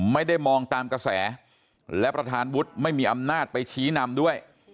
ไม่ได้มองตามกระแสและประธานวุฒิไม่มีอำนาจไปชี้นำด้วย